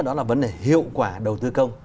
đó là vấn đề hiệu quả đầu tư công